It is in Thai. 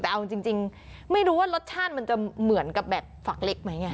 แต่เอาจริงไม่รู้ว่ารสชาติมันจะเหมือนกับแบบฝักเล็กไหมไง